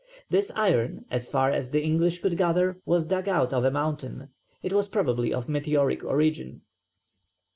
This iron as far as the English could gather was dug out of a mountain. It was probably of meteoric origin.